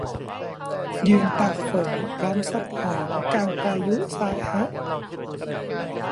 ยืนตากฝนพร้อมสับหอมกลางพายุทรายฮะ